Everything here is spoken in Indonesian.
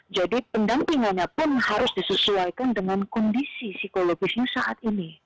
jadi pendampingannya pun harus disesuaikan dengan kondisi psikologisnya saat ini